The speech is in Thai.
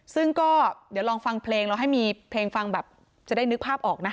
ซึ่งก็เดี๋ยวลองฟังเพลงเราให้มีเพลงฟังแบบจะได้นึกภาพออกนะ